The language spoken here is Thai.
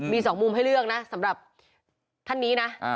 มีสองมุมให้เลือกนะสำหรับท่านนี้นะ